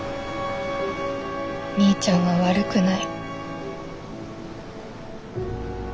みーちゃんは悪くない。